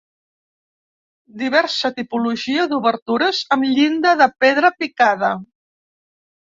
Diversa tipologia d'obertures amb llinda de pedra picada.